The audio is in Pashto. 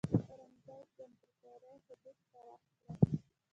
اورنګزیب د امپراتورۍ حدود پراخ کړل.